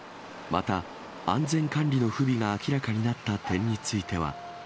また安全管理の不備が明らかになった点については。